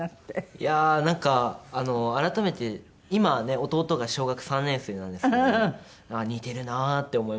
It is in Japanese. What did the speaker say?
いやあなんかあの改めて今はね弟が小学３年生なんですけど似てるなって思いますね。